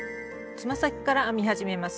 つま先から編み始めます。